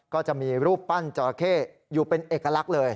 ก็จะมีรูปปั้นจอราเข้อยู่เป็นเอกลักษณ์เลย